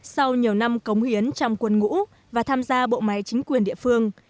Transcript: sau nhiều năm cống hiến trong quân ngũ và tham gia bộ máy chính quyền địa phương